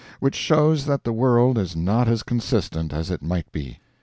Which shows that the world is not as consistent as it might be.